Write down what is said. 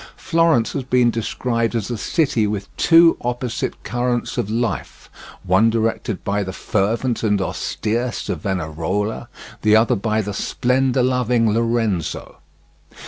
Florence has been described as a city with two opposite currents of life, one directed by the fervent and austere Savonarola, the other by the splendour loving Lorenzo.